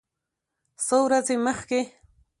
څو ورځې مخکې